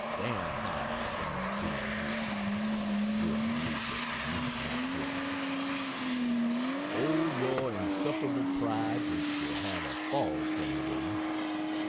"Dam Howells for not being here!" (this usually from me, not Twichell.) O, your insufferable pride, which will have a fall some day!